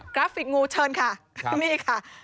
ราฟิกงูเชิญค่ะนี่ค่ะ